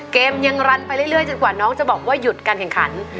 เกมยังรันไปเรื่อยจนกว่าน้องจะบอกว่าหยุดการแข่งขัน